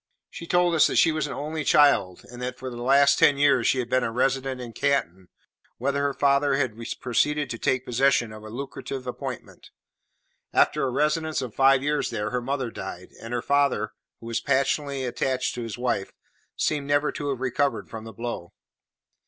She told us that she was an only child, and that for the last ten years she had been a resident in Canton, whither her father had proceeded to take possession of a lucrative appointment. After a residence of five years there, her mother died; and her father, who was passionately attached to his wife, seemed never to have recovered from the blow.